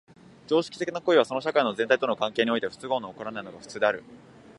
常識的な行為はその社会の全体との関係において不都合の起こらないのが普通である。